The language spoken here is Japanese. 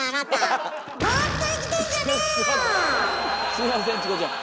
すいませんチコちゃん。